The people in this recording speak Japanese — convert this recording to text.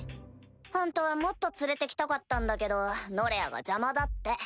ほんとはもっと連れてきたかったんだけどノレアが「邪魔だ」って。